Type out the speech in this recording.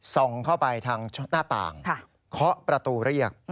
ส่องเข้าไปทางหน้าต่างเคาะประตูเรียก